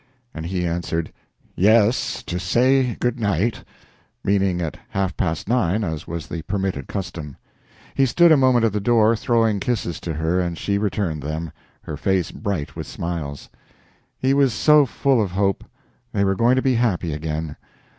and he answered "Yes, to say good night," meaning at half past nine, as was the permitted custom. He stood a moment at the door, throwing kisses to her, and she returned them, her face bright with smiles. He was so full of hope they were going to be happy again.